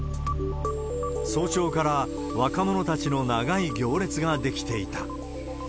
早朝から若者たちの長い行列が出来ていた。